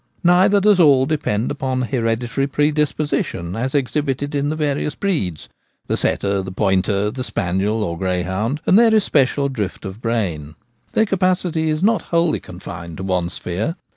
Neither does all depend upon hereditary predisposition as exhibited in the various breeds — the setter, the pointer, the spaniel, or greyhound — and their especial drift of brain ; their capacity is not wholly confined to one sphere.